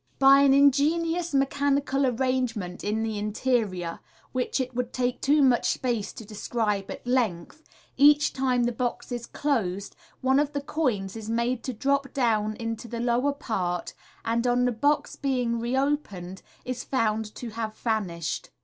{See Fig. 92.) By an ingenious mechanical arrangement in the interior, which it would take too much space to describe at length, each time the box is closed one of the coins is made to drop down into the lower part, and on the box being reopened is found to have vanished.